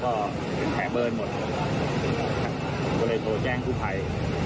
ก็เลยโทรแจ้งผู้ไฟกลดแจ้งผู้ไฟ